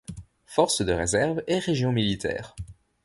Forces de réserves et régions militaires.